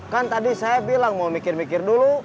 kan tadi saya bilang mau mikir mikir dulu